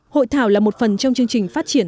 hội thảo là một phần trong chương trình phát triển